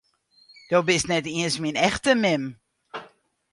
Do bist net iens myn echte mem!